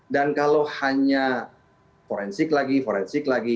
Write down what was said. dan kalau hanya forensik lagi forensik lagi